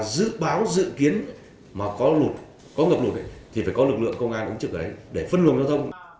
dự báo dự kiến có ngập lụt thì phải có lực lượng công an ứng trực đấy để phân luồng giao thông